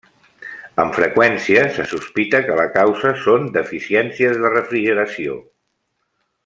Amb freqüència se sospita que la causa són deficiències de refrigeració.